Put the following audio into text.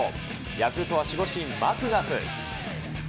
ヤクルトは守護神、マクガフ。